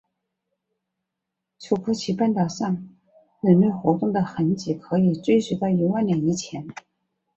楚科奇半岛上人类活动的痕迹可以追溯到一万年以前。